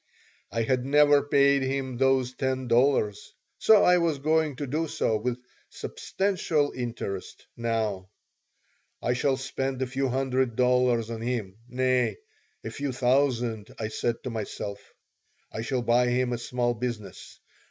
I had never paid him those ten dollars. So I was going to do so with "substantial interest" now. "I shall spend a few hundred dollars on him nay, a few thousand!" I said to myself. "I shall buy him a small business.